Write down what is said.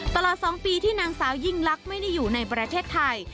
ตลอด๒ปีที่นางสาวยิ่งลักษณ์ไม่ได้อยู่ในประเทศไทย